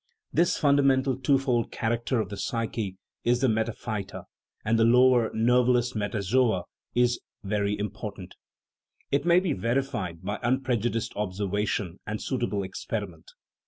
This fun damental twofold character of the psyche in the meta phyta and the lower, nerveless metazoa is very impor tant. It may be verified by unprejudiced observation and suitable experiment.